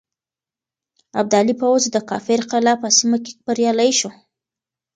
ابدالي پوځ د کافر قلعه په سيمه کې بريالی شو.